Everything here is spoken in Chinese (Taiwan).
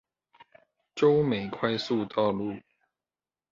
洲美快速道路